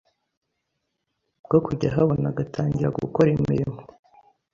bwo kujya ahabona agatangira gukora imirimo